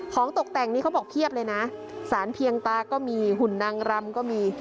ตกแต่งนี้เขาบอกเพียบเลยนะสารเพียงตาก็มีหุ่นนางรำก็มี